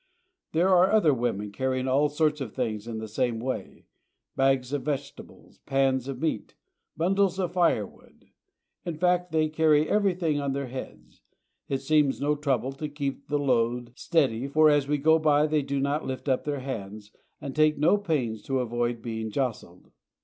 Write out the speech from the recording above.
There are other women carrying all sorts of things in the same way — bags of vegetables, 222 PARAGUAY. pans of meat, bundles of firewood ; In fact, they carry everything on their heads. It seems no trouble to keep the loads steady, for as we go by they do not lift up their hands, and take no pains to avoid being jostled.